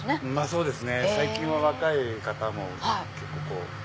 そうですね最近は若い方も結構。